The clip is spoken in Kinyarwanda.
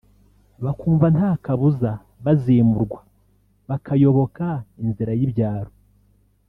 bakumva nta kabuza bazimurwa bakayoboka inzira y’ibyaro